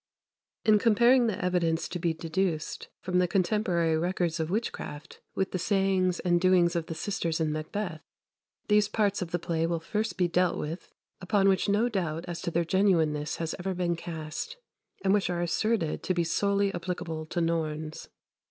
In comparing the evidence to be deduced from the contemporary records of witchcraft with the sayings and doings of the sisters in "Macbeth," those parts of the play will first be dealt with upon which no doubt as to their genuineness has ever been cast, and which are asserted to be solely applicable to Norns.